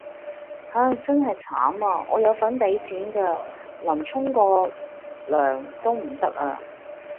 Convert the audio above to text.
唉，真係慘呀，我有份俾錢㗎，蒞沖個涼都唔得呀